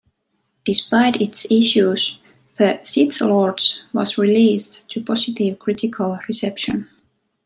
Despite its issues, "The Sith Lords" was released to positive critical reception.